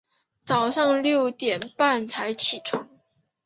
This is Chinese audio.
早上六点半才起床